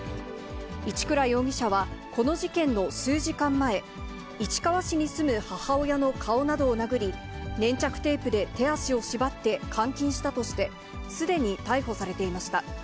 一倉容疑者はこの事件の数時間前、市川市に住む母親の顔などを殴り、粘着テープで手足を縛って監禁したとして、すでに逮捕されていました。